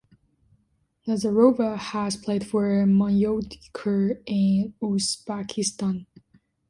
Nazarova has played for Bunyodkor in Uzbekistan.